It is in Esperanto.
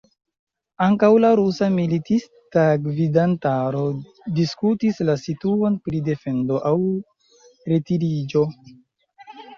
Ankaŭ la rusa militista gvidantaro diskutis la situon pri defendo aŭ retiriĝo.